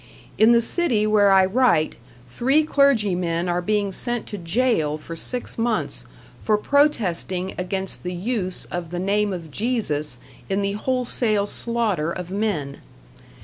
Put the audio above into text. In the city where I write, three clergymen are being sent to jail for six months for protesting against the use of the name of Jesus in the wholesale slaughter of men.